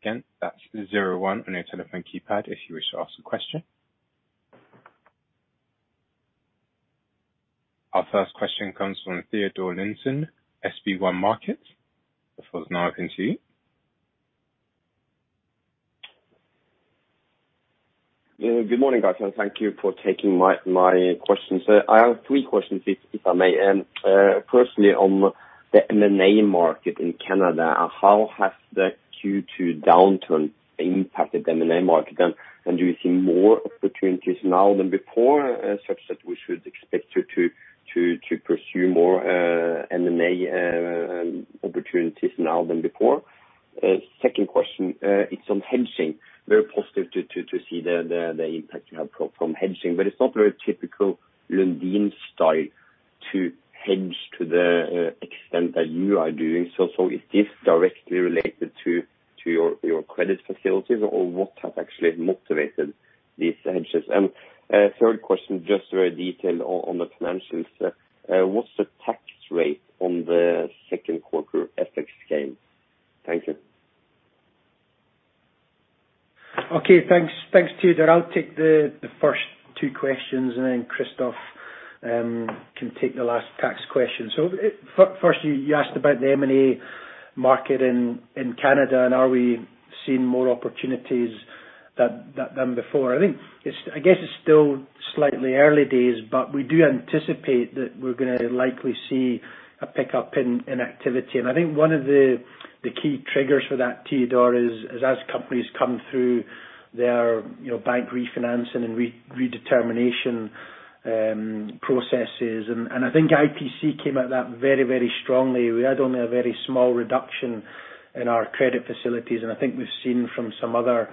Again, that's 01 on your telephone keypad if you wish to ask a question. Our first question comes from Teodor Sveen-Nilsen, SB1 Markets. The floor is now open to you. Good morning, guys. Thank you for taking my questions. I have three questions, if I may. Firstly, on the M&A market in Canada, how has the Q2 downturn impacted the M&A market? And do you see more opportunities now than before, such that we should expect to pursue more M&A opportunities now than before? Second question, it's on hedging. Very positive to see the impact you have from hedging, but it's not very typical Lundin style to hedge to the extent that you are doing. So is this directly related to your credit facilities, or what has actually motivated these hedges? And third question, just very detailed on the financials. What's the tax rate on the second quarter FX gain? Thank you. Okay. Thanks, Teodor. I'll take the first two questions, and then Christophe can take the last tax question. So first, you asked about the M&A market in Canada, and are we seeing more opportunities than before? I guess it's still slightly early days, but we do anticipate that we're going to likely see a pickup in activity. And I think one of the key triggers for that, Teodor, is as companies come through their bank refinancing and redetermination processes. And I think IPC came at that very, very strongly. We had only a very small reduction in our credit facilities, and I think we've seen from some other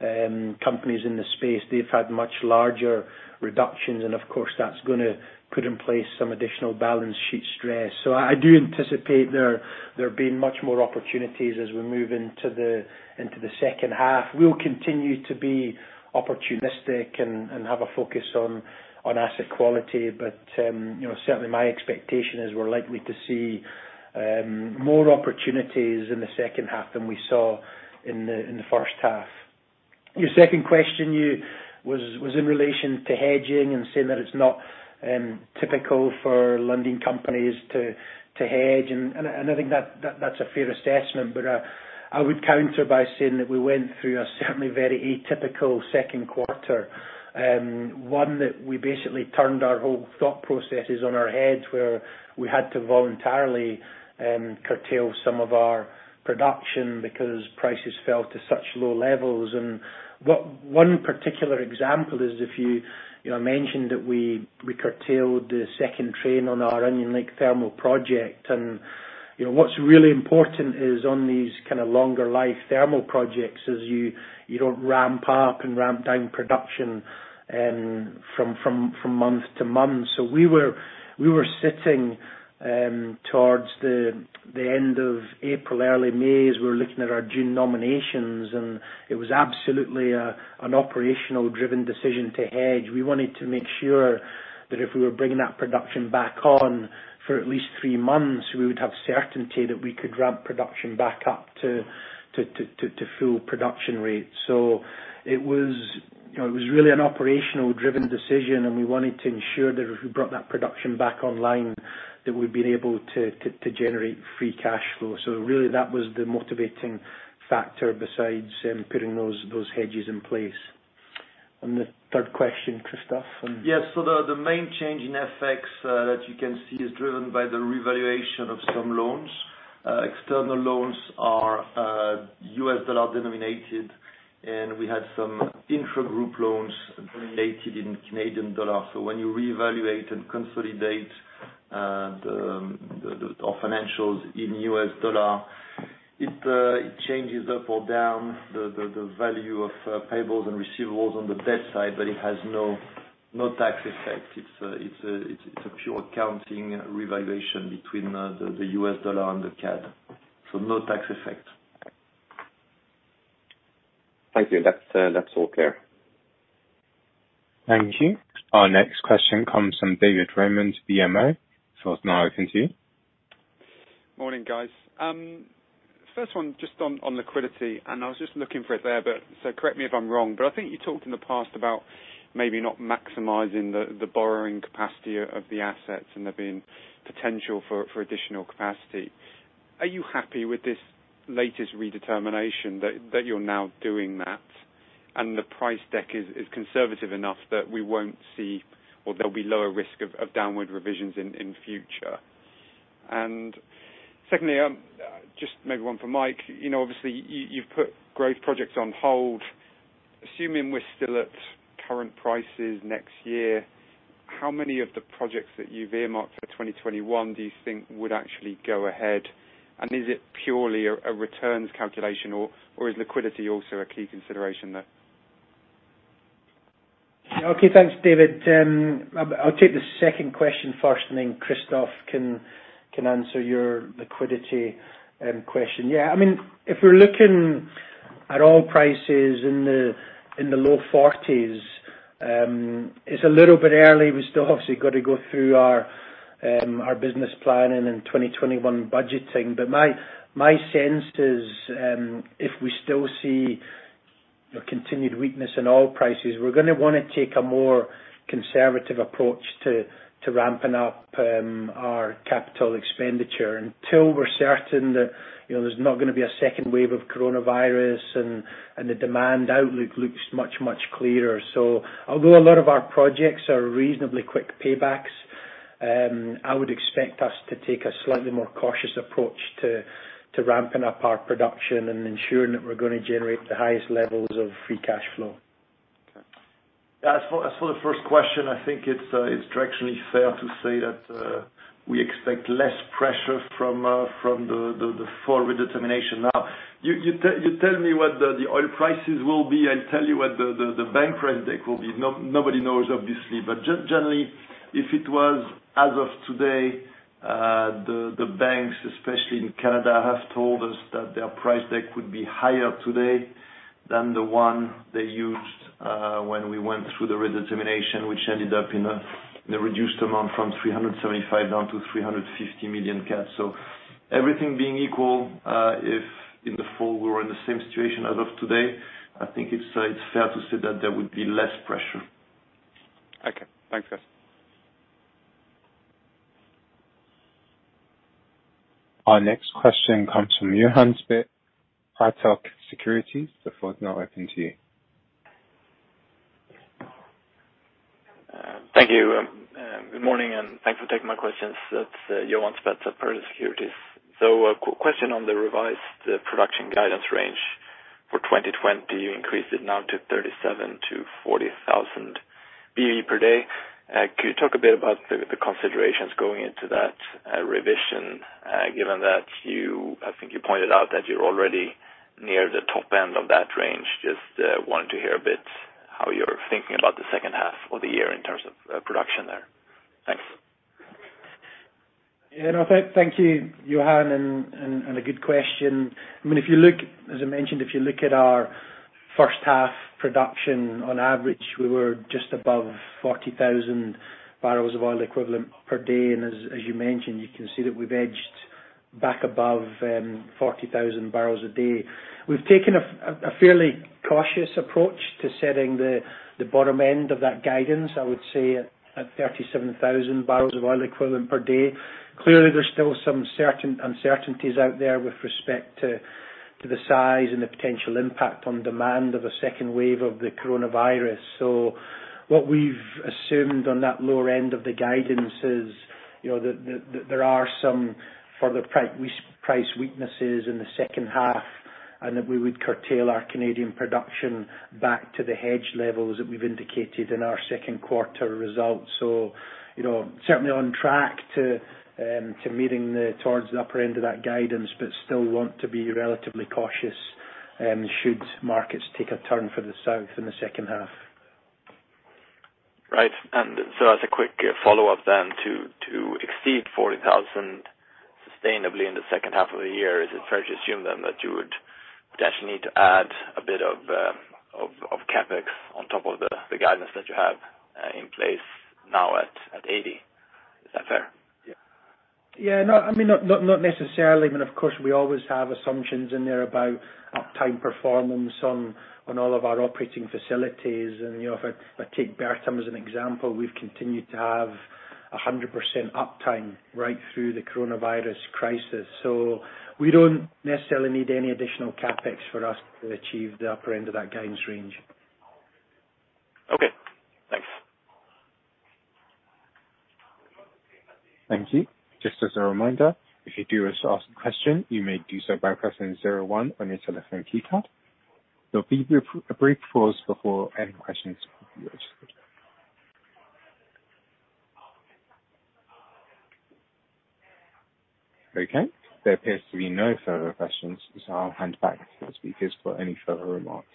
companies in the space, they've had much larger reductions, and of course, that's going to put in place some additional balance sheet stress, so I do anticipate there being much more opportunities as we move into the second half. We'll continue to be opportunistic and have a focus on asset quality, but certainly my expectation is we're likely to see more opportunities in the second half than we saw in the first half. Your second question was in relation to hedging and saying that it's not typical for Lundin companies to hedge. And I think that's a fair assessment, but I would counter by saying that we went through a certainly very atypical second quarter, one that we basically turned our whole thought processes on our heads, where we had to voluntarily curtail some of our production because prices fell to such low levels. And one particular example is if you mentioned that we curtailed the second train on our Onion Lake thermal project. And what's really important is on these kind of longer life thermal projects is you don't ramp up and ramp down production from month to month. So we were sitting towards the end of April, early May as we were looking at our June nominations, and it was absolutely an operational-driven decision to hedge. We wanted to make sure that if we were bringing that production back on for at least three months, we would have certainty that we could ramp production back up to full production rates. So it was really an operational-driven decision, and we wanted to ensure that if we brought that production back online, that we'd been able to generate free cash flow. So really, that was the motivating factor besides putting those hedges in place. And the third question, Christophe? Yes. So the main change in FX that you can see is driven by the revaluation of some loans. External loans are U.S. dollar denominated, and we had some intra-group loans denominated in Canadian dollar. So when you reevaluate and consolidate our financials in U.S. dollar, it changes up or down the value of payables and receivables on the debt side, but it has no tax effect. It's a pure accounting revaluation between the U.S. dollar and the CAD. So no tax effect. Thank you. That's all clear. Thank you. Our next question comes from David Round, BMO. The floor is now open to you. Morning, guys. First one, just on liquidity. And I was just looking for it there, so correct me if I'm wrong, but I think you talked in the past about maybe not maximizing the borrowing capacity of the assets and there being potential for additional capacity. Are you happy with this latest redetermination that you're now doing that and the price deck is conservative enough that we won't see, or there'll be lower risk of downward revisions in future? And secondly, just maybe one for Mike. Obviously, you've put growth projects on hold. Assuming we're still at current prices next year, how many of the projects that you've earmarked for 2021 do you think would actually go ahead? And is it purely a returns calculation, or is liquidity also a key consideration there? Okay. Thanks, David. I'll take the second question first, and then Christophe can answer your liquidity question. Yeah. I mean, if we're looking at oil prices in the low 40s, it's a little bit early. We still obviously got to go through our business planning and 2021 budgeting. But my sense is if we still see continued weakness in oil prices, we're going to want to take a more conservative approach to ramping up our capital expenditure until we're certain that there's not going to be a second wave of coronavirus and the demand outlook looks much, much clearer. So although a lot of our projects are reasonably quick paybacks, I would expect us to take a slightly more cautious approach to ramping up our production and ensuring that we're going to generate the highest levels of free cash flow. Okay. As for the first question, I think it's directionally fair to say that we expect less pressure from the fall redetermination. Now, you tell me what the oil prices will be. I'll tell you what the bank price deck will be. Nobody knows, obviously. But generally, if it was as of today, the banks, especially in Canada, have told us that their price deck would be higher today than the one they used when we went through the redetermination, which ended up in a reduced amount from 375 million down to 350 million. So everything being equal, if in the fall we were in the same situation as of today, I think it's fair to say that there would be less pressure. Okay. Thanks, guys. Our next question comes from Johan Spetz, Pareto Securities. The floor is now open to you. Thank you. Good morning, and thanks for taking my questions. That's Johan Spetz, Pareto Securities. So question on the revised production guidance range for 2020. You increased it now to 37,000-40,000 BOE per day. Could you talk a bit about the considerations going into that revision, given that I think you pointed out that you're already near the top end of that range? Just wanted to hear a bit how you're thinking about the second half of the year in terms of production there. Thanks. Yeah. No, thank you, Johan, and a good question. I mean, as I mentioned, if you look at our first half production, on average, we were just above 40,000 barrels of oil equivalent per day, and as you mentioned, you can see that we've edged back above 40,000 barrels a day. We've taken a fairly cautious approach to setting the bottom end of that guidance, I would say at 37,000 barrels of oil equivalent per day. Clearly, there's still some uncertainties out there with respect to the size and the potential impact on demand of a second wave of the coronavirus, so what we've assumed on that lower end of the guidance is that there are some further price weaknesses in the second half and that we would curtail our Canadian production back to the hedge levels that we've indicated in our second quarter results. So certainly on track to meeting towards the upper end of that guidance, but still want to be relatively cautious should markets take a turn for the south in the second half. Right. And so as a quick follow-up then to exceed 40,000 sustainably in the second half of the year, is it fair to assume then that you would potentially need to add a bit of CapEx on top of the guidance that you have in place now at 80? Is that fair? Yeah. No, I mean, not necessarily. I mean, of course, we always have assumptions in there about uptime performance on all of our operating facilities. And if I take Bertam as an example, we've continued to have 100% uptime right through the coronavirus crisis. So we don't necessarily need any additional CapEx for us to achieve the upper end of that guidance range. Okay. Thanks. Thank you. Just as a reminder, if you do ask a question, you may do so by pressing 01 on your telephone keypad. There'll be a brief pause before any questions will be registered. Okay. There appears to be no further questions, so I'll hand back to the speakers for any further remarks.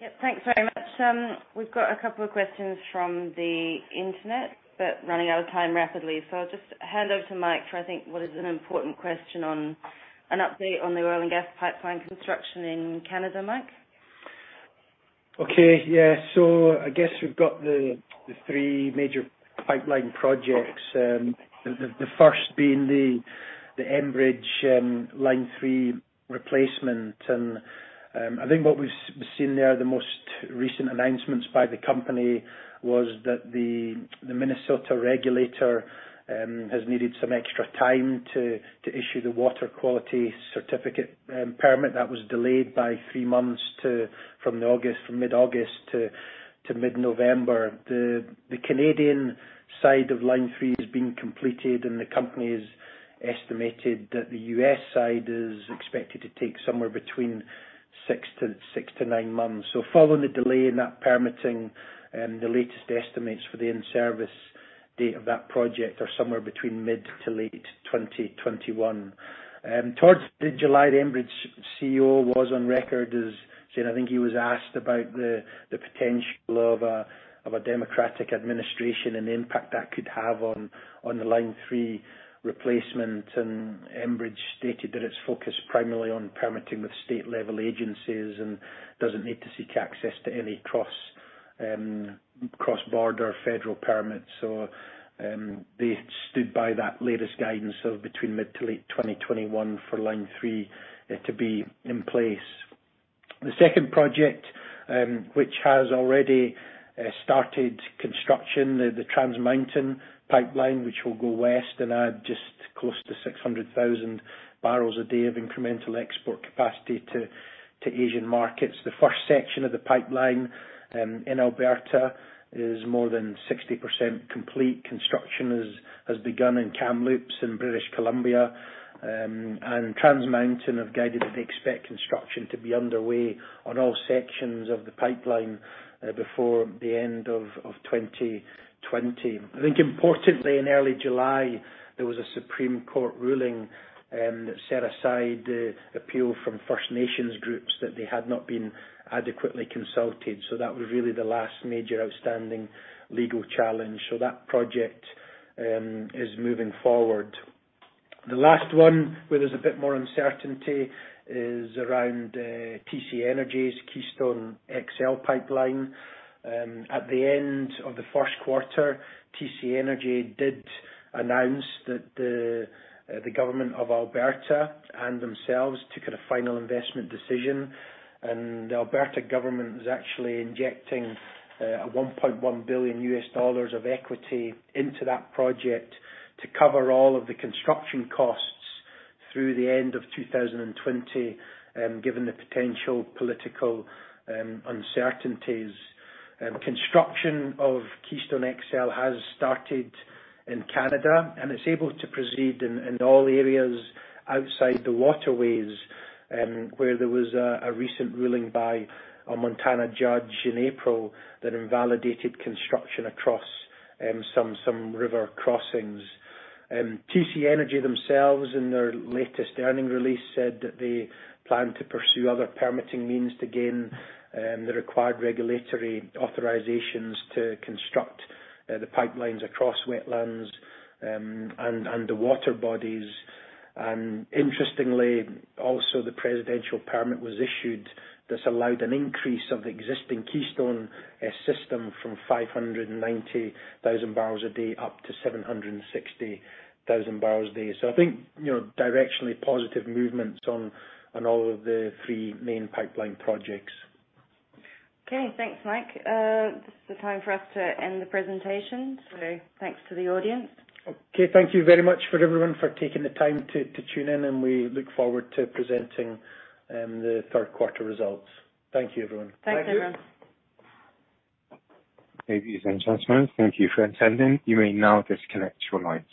Yep. Thanks very much. We've got a couple of questions from the internet, but running out of time rapidly. So I'll just hand over to Mike for, I think, what is an important question on an update on the oil and gas pipeline construction in Canada, Mike? Okay. Yeah. So I guess we've got the three major pipeline projects, the first being the Enbridge Line 3 Replacement. I think what we've seen there, the most recent announcements by the company was that the Minnesota regulator has needed some extra time to issue the water quality certificate permit. That was delayed by three months from mid-August to mid-November. The Canadian side of Line 3 has been completed, and the company has estimated that the U.S. side is expected to take somewhere between six to nine months. So following the delay in that permitting, the latest estimates for the in-service date of that project are somewhere between mid to late 2021. Towards July, Enbridge's CEO was on record as saying I think he was asked about the potential of a Democratic administration and the impact that could have on the Line 3 replacement. And Enbridge stated that it's focused primarily on permitting with state-level agencies and doesn't need to seek access to any cross-border federal permits. So they stood by that latest guidance of between mid to late 2021 for Line 3 to be in place. The second project, which has already started construction, the Trans Mountain Pipeline, which will go west and add just close to 600,000 barrels a day of incremental export capacity to Asian markets. The first section of the pipeline in Alberta is more than 60% complete. Construction has begun in Kamloops and British Columbia. And Trans Mountain have guided that they expect construction to be underway on all sections of the pipeline before the end of 2020. I think importantly, in early July, there was a Supreme Court ruling that set aside the appeal from First Nations groups that they had not been adequately consulted. So that project is moving forward. The last one where there's a bit more uncertainty is around TC Energy's Keystone XL Pipeline. At the end of the first quarter, TC Energy did announce that the Government of Alberta and themselves took a final investment decision, and the Alberta government is actually injecting $1.1 billion of equity into that project to cover all of the construction costs through the end of 2020, given the potential political uncertainties. Construction of Keystone XL has started in Canada, and it's able to proceed in all areas outside the waterways where there was a recent ruling by a Montana judge in April that invalidated construction across some river crossings. TC Energy themselves, in their latest earnings release, said that they plan to pursue other permitting means to gain the required regulatory authorizations to construct the pipelines across wetlands and the water bodies. Interestingly, also, the Presidential Permit was issued that allowed an increase of the existing Keystone system from 590,000 barrels a day up to 760,000 barrels a day. So I think directionally positive movements on all of the three main pipeline projects. Okay. Thanks, Mike. This is the time for us to end the presentation. So thanks to the audience. Okay. Thank you very much for everyone for taking the time to tune in, and we look forward to presenting the third quarter results. Thank you, everyone. Thanks, everyone. Thank you. Thank you, Jean-Charles. Thank you for attending. You may now disconnect your lines.